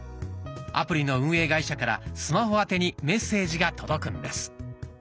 アプリの運営会社からスマホ宛てにメッセージが届くんです。